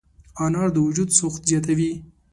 انار د وجود سوخت زیاتوي.